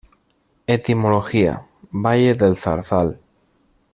Etimología: Valle del zarzal.